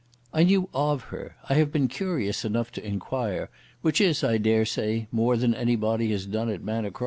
"I knew of her. I have been curious enough to enquire, which is, I dare say, more than any body has done at Manor Cross."